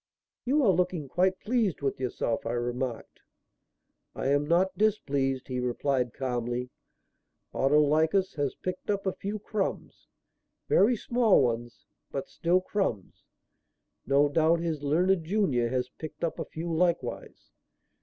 "You are looking quite pleased with yourself," I remarked. "I am not displeased," he replied calmly. "Autolycus has picked up a few crumbs; very small ones, but still crumbs. No doubt his learned junior has picked up a few likewise?"